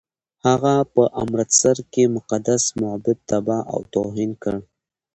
هغه په امرتسر کې مقدس معبد تباه او توهین کړ.